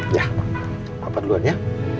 ya papa duluan ya